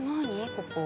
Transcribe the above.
ここ。